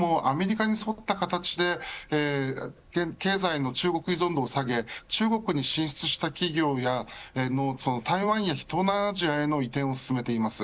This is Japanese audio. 台湾もアメリカに沿った形で経済の中国依存度を下げ中国に進出した企業や台湾や東南アジアへの移転を進めています。